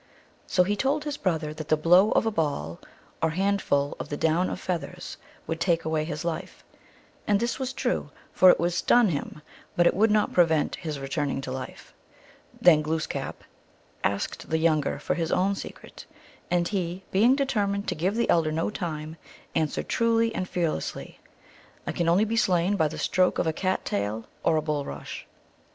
So he told his brother that the blow of a ball, or handful of the down of feath ers, would take away his life ; and this was true, for it would stun him, but it would not prevent his re turning to life. Then Glooskap asked the younger for his own secret. And he, being determined to give the elder no time, answered truly and fearlessly, " I can only be slain by the stroke of a cat tail or bulrush."